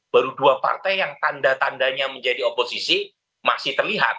baru dua partai yang tanda tandanya menjadi oposisi masih terlihat